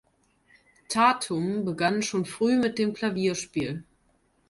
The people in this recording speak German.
Tatum begann schon früh mit dem Klavierspiel.